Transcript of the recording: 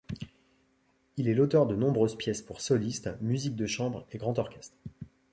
Il est l’auteur de nombreuses pièces pour solistes, musique de chambre et grand orchestre.